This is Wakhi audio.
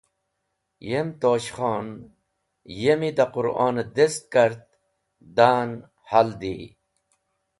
Yem [Tosh khon] yemi da Quron dest kart, da’n haldi.